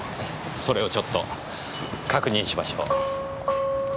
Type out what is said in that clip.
それをちょっと確認しましょう。